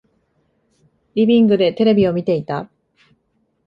リビングでテレビを見ていた。